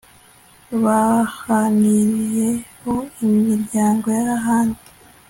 bahanireho imiryango y'ahandi